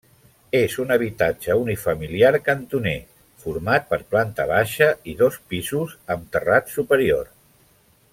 És un habitatge unifamiliar cantoner, format per planta baixa i dos pisos, amb terrat superior.